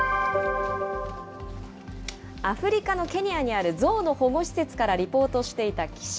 アフリカのケニアにある象の保護施設からリポートしていた記者。